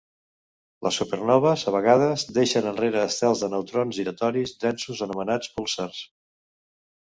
Les supernoves a vegades deixen enrere estels de neutrons giratoris densos anomenats pulsars.